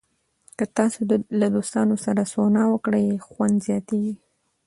که تاسو له دوستانو سره سونا وکړئ، خوند زیاتېږي.